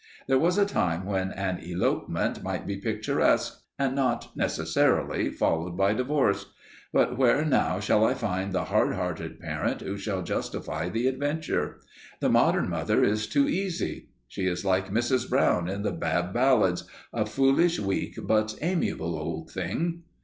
There was a time when an elopement might be picturesque and not necessarily followed by divorce; but where now shall I find the hard hearted parent who shall justify the adventure? The modern mother is too easy. She is like Mrs. Brown in the Bab Ballads "a foolish, weak but amiable old thing."